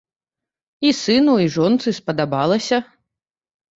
І сыну, і жонцы спадабалася!